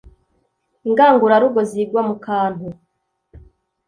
ingangurarugo zigwa mu kantu